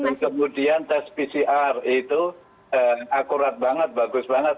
terus kemudian tes pcr itu akurat banget bagus banget